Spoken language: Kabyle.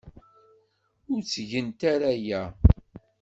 Ur ttgent ara aya.